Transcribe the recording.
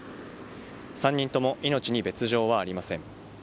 ３人とも命に別条はありません。